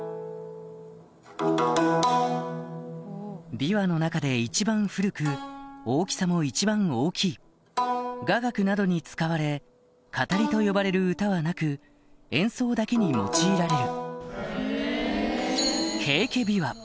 琵琶の中で一番古く大きさも一番大きい雅楽などに使われ「語り」と呼ばれる歌はなく演奏だけに用いられる